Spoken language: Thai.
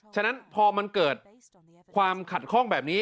ฉะนั้นพอมันเกิดความขัดข้องแบบนี้